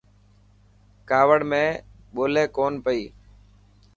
ڪاوڙ ۾ ٻولي ڪونه پئي.